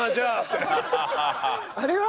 あれは？